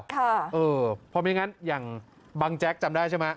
เพราะไม่งั้นอย่างบังแจ๊กจำได้ใช่ไหม